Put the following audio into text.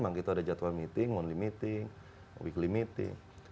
memang itu ada jadwal meeting weekly meeting